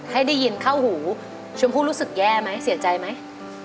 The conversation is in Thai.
ให้ได้ยินเข้าหูชมพู่รู้สึกแย่ไหมเสียใจไหม